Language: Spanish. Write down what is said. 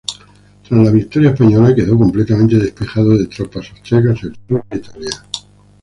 Tras la victoria española quedó completamente despejado de tropas austriacas el sur de Italia.